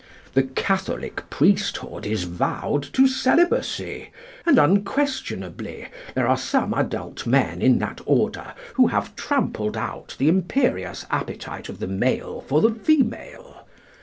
The Catholic priesthood is vowed to celibacy; and unquestionably there are some adult men in that order who have trampled out the imperious appetite of the male for the female.